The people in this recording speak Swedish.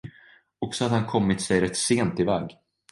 Och så hade han kommit sig rätt sent iväg.